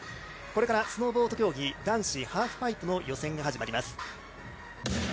これからスノーボード競技男子ハーフパイプの予選が始まります。